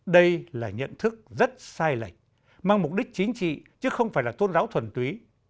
đây là nhận thức rất sai lệch mang mục đích chính trị chứ không phải là tôn giáo thuần túy